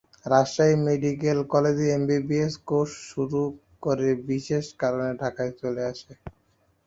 Rajshahi medical কলেজে MBBS course শুরু করে বিশেষ কারণে ঢাকায় চলে আসেন।